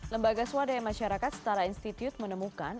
lembaga swadaya masyarakat setara institut menemukan